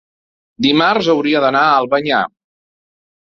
dimarts hauria d'anar a Albanyà.